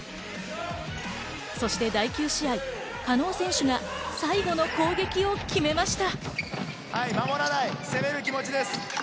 そして第９試合、加納選手が最後の攻撃を決めました。